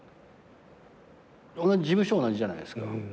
事務所同じじゃないですか。